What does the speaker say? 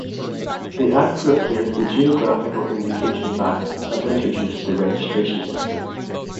The Act replaced the Geographical Indications Act and introduced the registration system.